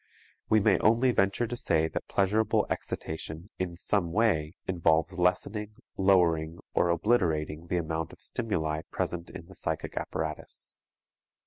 We may only venture to say that pleasurable excitation in some way involves lessening, lowering or obliterating the amount of stimuli present in the psychic apparatus.